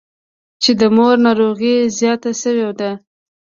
چې د مور ناروغي زياته سوې ده.